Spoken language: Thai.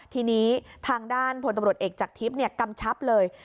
ทีนี้ทางด้านพลตำรวจเอกจากทิพย์กำชับเลย